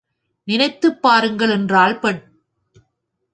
நினைத்துப் பாருங்கள் என்றாள் பெண்.